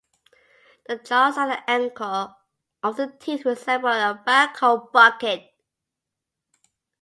The jaws and the angle of the teeth resemble a backhoe bucket.